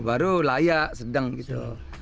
baru layak sedang gitu